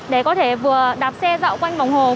để có thể vừa đạp xe dạo quanh vòng đường